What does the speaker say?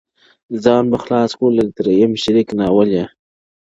ځان به خلاص کړو له دریم شریک ناولي -